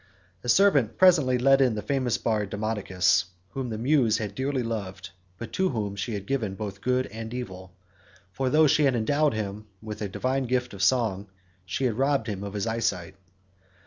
A servant presently led in the famous bard Demodocus, whom the muse had dearly loved, but to whom she had given both good and evil, for though she had endowed him with a divine gift of song, she had robbed him of his eyesight.